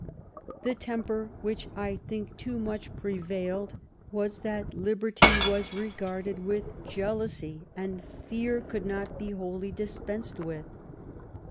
The temper which I think too much prevailed was that liberty was regarded with jealousy, and fear could not be wholly dis pensed with."